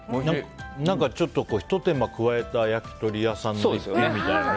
何かちょっとひと手間加えた焼き鳥屋さんのみたいなね。